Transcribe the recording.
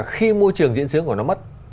khi môi trường diễn xướng của nó mất